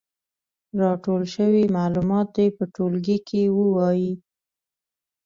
راټول شوي معلومات دې په ټولګي کې ووايي.